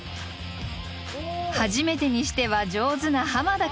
初めてにしては上手な濱田君。